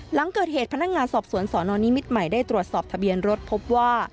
หลังเกิดเหตุพนักงานสอบสวนสนนิมิตรใหม่ได้ตรวจสอบทะเบียนรถพบว่า